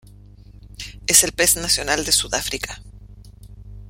Es el pez nacional de Sudáfrica.